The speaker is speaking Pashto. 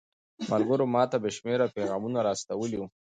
ملګرو ماته بې شمېره پيغامونه را استولي وو.